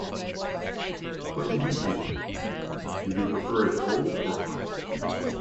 What do you think, do they prefer it cold or hot?